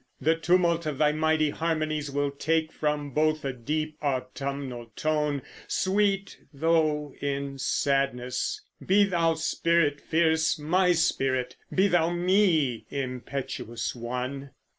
The tumult of thy mighty harmonies Will take from both a deep, autumnal tone, Sweet though in sadness. Be thou, spirit fierce, My spirit! Be thou me, impetuous one!